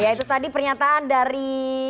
ya itu tadi pernyataan dari